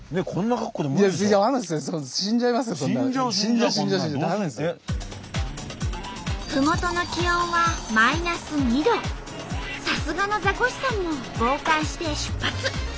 ふもとのさすがのザコシさんも防寒して出発。